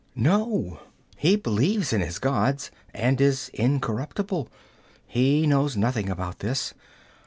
'No. He believes in his gods, and is incorruptible. He knows nothing about this.